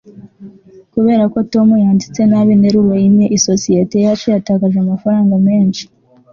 kubera ko tom yanditse nabi interuro imwe, isosiyete yacu yatakaje amafaranga menshi